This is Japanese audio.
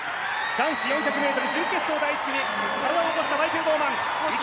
男子４００ｍ準決勝、第１組体を起こしたマイケル・ノーマン。